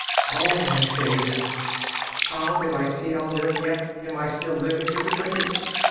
O my Saviour! how did I see all this, yet am still living to relate it?